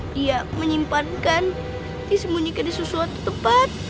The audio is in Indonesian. dia menyimpankan disembunyikan di suatu tempat